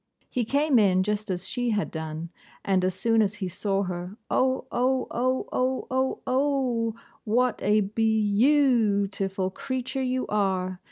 He came in just as she had done; and as soon as he saw her, 'O! O! O! O! O! O! what a beyou oo ootiful creature you are!